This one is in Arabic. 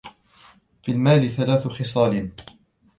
فِي الْمَالِ ثَلَاثُ خِصَالٍ